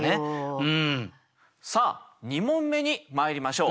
さあ２問目にまいりましょう。